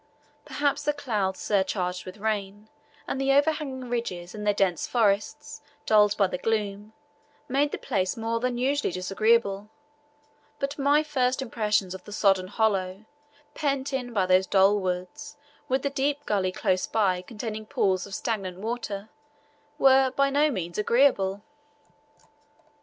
Perhaps the clouds surcharged with rain, and the overhanging ridges and their dense forests dulled by the gloom, made the place more than usually disagreeable, but my first impressions of the sodden hollow, pent in by those dull woods, with the deep gully close by containing pools of stagnant water, were by no means agreeable.